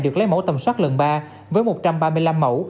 được lấy mẫu tầm soát lần ba với một trăm ba mươi năm mẫu